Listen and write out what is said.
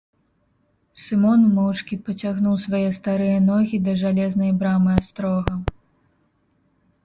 Сымон моўчкі пацягнуў свае старыя ногі да жалезнай брамы астрога.